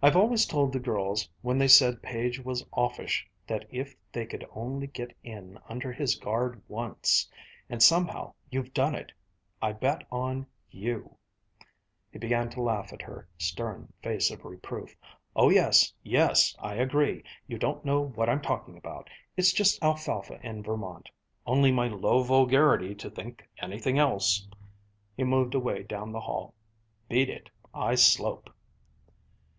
I've always told the girls when they said Page was offish that if they could only get in under his guard once and somehow you've done it. I bet on you " He began to laugh at her stern face of reproof. "Oh, yes, yes, I agree! You don't know what I'm talking about! It's just alfalfa in Vermont! Only my low vulgarity to think anything else!" He moved away down the hall. "Beat it! I slope!"